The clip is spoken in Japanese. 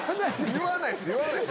言わないです。